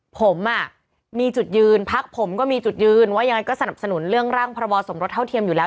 ผมมีจุดยืนพักผมก็มีจุดยืนว่ายังไงก็สนับสนุนเรื่องร่างพรบสมรสเท่าเทียมอยู่แล้ว